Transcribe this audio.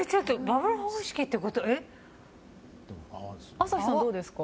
朝日さんはどうですか？